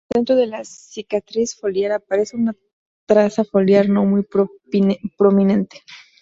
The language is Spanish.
En el centro de la cicatriz foliar aparece una traza foliar no muy prominente.